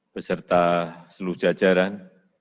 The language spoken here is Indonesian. beserta seluruh jajaran